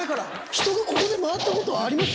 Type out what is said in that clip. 人がここで回ったことあります？